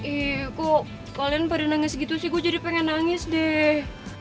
ibuku kalian pada nangis gitu sih gue jadi pengen nangis deh